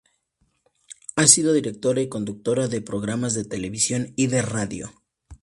Ha sido directora y conductora de programas de televisión y de radio.